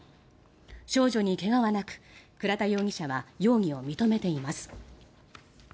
少女に怪我はなく、倉田容疑者は容疑を認めています。